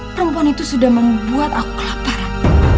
perempuan itu sudah membuat aku kelaparan